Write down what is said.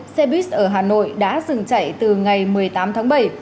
xe buýt ở hà nội đã dừng chảy từ ngày một mươi tám bảy